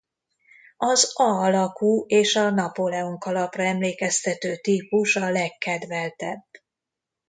Az A alakú és a Napóleon-kalapra emlékeztető típus a legkedveltebb.